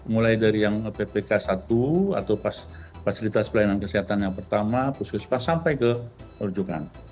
mulai dari yang ppk satu atau fasilitas pelayanan kesehatan yang pertama puskesmas sampai ke perujukan